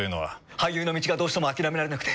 俳優の道がどうしても諦められなくて。